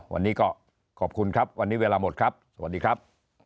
วันนี้ก็ขอบคุณครับวันนี้เวลาหมดครับสวัสดีครับ